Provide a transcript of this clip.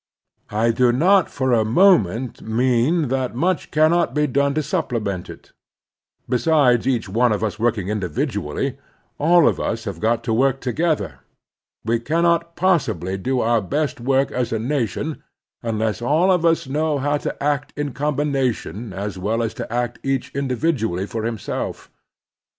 I do not for a moment mean that much cannot be done to supplement it. Besides each one of us working individually, all of us have got to work together. We cannot possibly do our best work as a nation unless all of us know how to act in com bination as well as how to act each individually for himself.